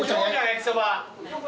焼きそば。